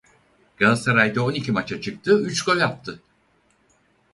Galatasaray'da on iki maça çıktı üç gol attı.